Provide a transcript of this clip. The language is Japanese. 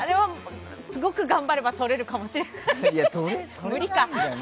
すごく頑張ればとれるかもしれない。